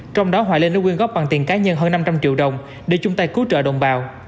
trong đó hoài linh đã quyên góp bằng tiền cá nhân hơn năm trăm linh triệu đồng để chung tay cứu trợ đồng bào